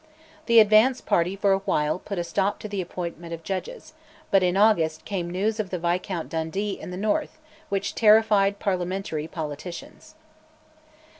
The advanced party for a while put a stop to the appointment of judges, but in August came news of the Viscount Dundee in the north which terrified parliamentary politicians.